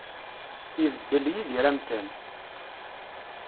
Ibeddel Yidir amkan.